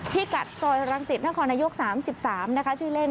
พี่กัดซอยรังศิษย์นครนโยค๓๓ชื่อเล่น